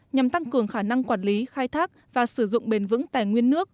nhằm tăng cường khả năng quản lý khai thác và sử dụng bền vững tài nguyên nước